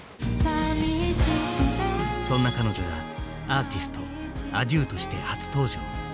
そんな彼女がアーティストａｄｉｅｕとして初登場。